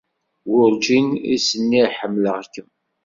Werǧin i s-nniɣ ḥemmleɣ-kem.